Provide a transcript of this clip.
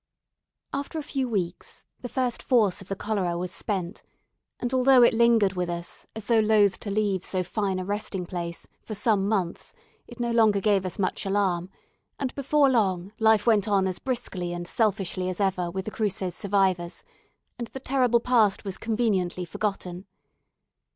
After a few weeks, the first force of the cholera was spent, and although it lingered with us, as though loath to leave so fine a resting place, for some months, it no longer gave us much alarm; and before long, life went on as briskly and selfishly as ever with the Cruces survivors, and the terrible past was conveniently forgotten.